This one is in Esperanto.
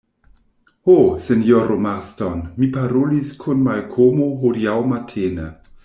Ho, sinjoro Marston, mi parolis kun Malkomo hodiaŭ matene.